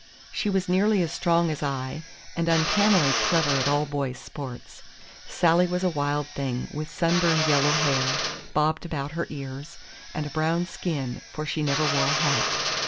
She was nearly as strong as I, and uncannily clever at all boys' sports. Sally was a wild thing, with sunburned yellow hair, bobbed about her ears, and a brown skin, for she never wore a hat.